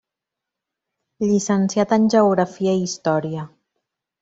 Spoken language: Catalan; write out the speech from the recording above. Llicenciat en geografia i història.